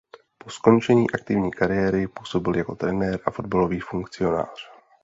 Po skončení aktivní kariéry působil jako trenér a fotbalový funkcionář.